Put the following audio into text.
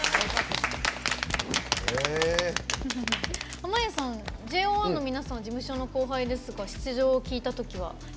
濱家さん、ＪＯ１の皆さん事務所の後輩ですが出場を聞いたときは。